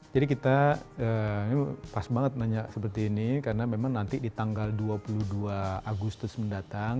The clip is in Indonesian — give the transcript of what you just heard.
jadi kita pas banget nanya seperti ini karena memang nanti di tanggal dua puluh dua agustus mendatang